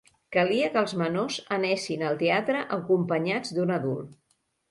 Calia que els menors anessin al teatre acompanyats d'un adult.